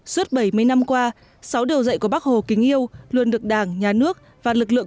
suốt bảy mươi năm qua sáu đầu dạy của bác hồ kính yêu luôn được đảng nhà nước và lực lượng